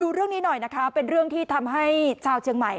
เรื่องนี้หน่อยนะคะเป็นเรื่องที่ทำให้ชาวเชียงใหม่